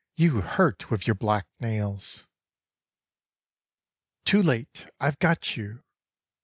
You hurt with your black nails." 16 " Too late ! I've got you !..